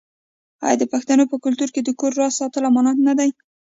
آیا د پښتنو په کلتور کې د کور راز ساتل امانت نه دی؟